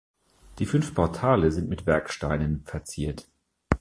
Die fünf Portale sind mit Werksteinen verziert.